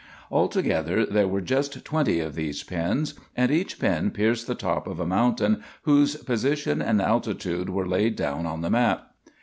Altogether there were just twenty of these pins, and each pin pierced the top of a mountain whose position and altitude were laid down on the map.